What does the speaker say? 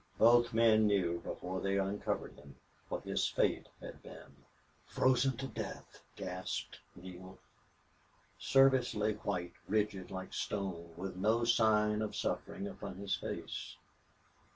Both men knew before they uncovered him what his fate had been. "Frozen to death!" gasped Neale. Service lay white, rigid, like stone, with no sign of suffering upon his face.